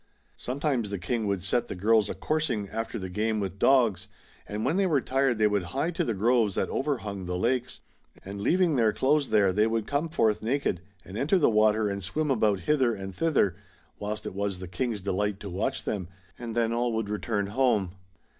Sometimes the King would set the girls a coursing after the game with dogs, and when they were tired they would hie to the groves that overhung the lakes, and leaving their clothes there they would come forth naked and enter the water and swim about hither and thither, whilst it was the King's delight to watch them ; and then all would return home.